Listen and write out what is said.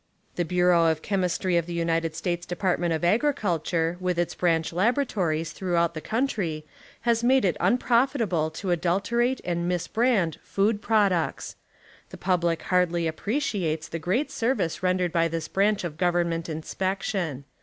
The Bureau of Chemistry of the United States Department of Agriculture with its branch laboratories throughout the country has made it un profitable to adulterate and misbrand food products. The pub lic hardly appreciates the great service rendered by this branch of government inspection.